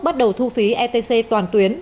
bắt đầu thu phí etc toàn tuyến